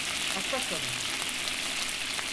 At bakalım.